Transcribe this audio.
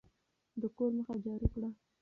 د کور مخه جارو کړئ.